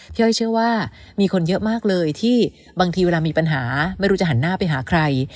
อ้อยเชื่อว่ามีคนเยอะมากเลยที่บางทีเวลามีปัญหาไม่รู้จะหันหน้าไปหาใคร